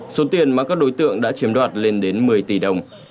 số tiền mà các đối tượng đã chiếm đoạt lên đến một mươi tỷ đồng